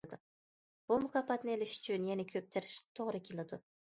بۇ مۇكاپاتنى ئېلىش ئۈچۈن يەنە كۆپ تىرىشىشقا توغرا كېلىدۇ.